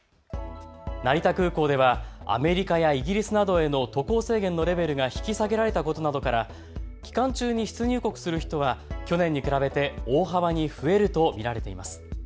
成田空港ではアメリカやイギリスなどへの渡航制限のレベルが引き下げられたことなどから期間中に出入国する人は去年に比べて大幅に増えると見られています。